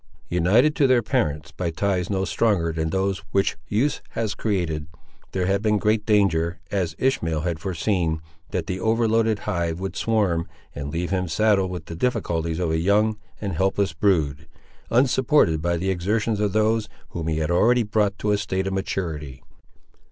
United to their parents by ties no stronger than those which use had created, there had been great danger, as Ishmael had foreseen, that the overloaded hive would swarm, and leave him saddled with the difficulties of a young and helpless brood, unsupported by the exertions of those, whom he had already brought to a state of maturity.